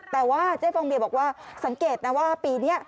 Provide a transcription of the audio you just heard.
แต่ว่าเจ๊ฟองเบียบอกว่าสังเกตนะว่าปีนี้